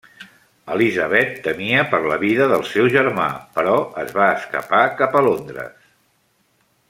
Elizabeth temia per la vida del seu germà, però es va escapar cap a Londres.